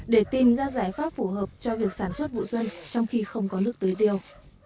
để tìm ra giải pháp phù hợp cho việc sản xuất vụ doanh trong khi không có nước tưới tiêu